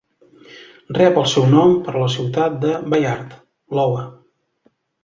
Rep el seu nom per la ciutat de Bayard, Iowa.